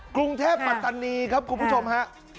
กรุงเทพปัตตานีครับคุณผู้ชมฮะ